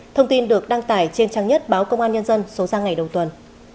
thông tin được đăng tải trên trang nhất báo công an nhân dân số ra ngày đầu tuần